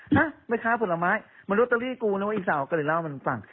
ฮะแม่ค้าผลไม้มันโรตเตอรี่กูนะว่าอีสาวก็เลยเล่าให้มันฟัง